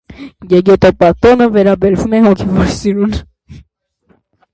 «Գեգետոբա» տոնը վերաբերում է հոգևոր սիրուն։